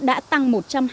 đã tăng một trăm hai mươi